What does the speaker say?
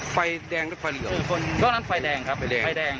ไฟแดงหรือไฟเหลืองช่วงนั้นไฟแดงครับไฟแดงไฟแดง